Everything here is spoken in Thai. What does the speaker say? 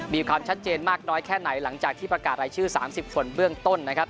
มีความชัดเจนมากน้อยแค่ไหนหลังจากที่ประกาศรายชื่อ๓๐คนเบื้องต้นนะครับ